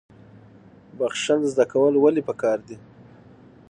بخښل زده کول ولې پکار دي؟